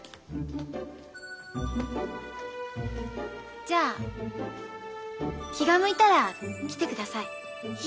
じゃあ気が向いたら来てください。